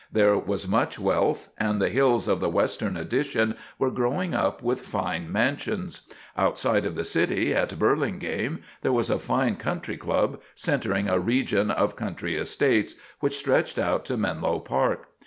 There was much wealth; and the hills of the western addition were growing up with fine mansions. Outside of the city, at Burlingame, there was a fine country club centering a region of country estates which stretched out to Menlo Park.